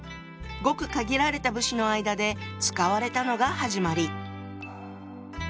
ごく限られた武士の間で使われたのが始まり。